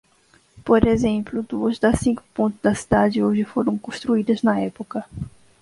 Por exemplo,?, duas das cinco pontes da cidade hoje foram construídas na época.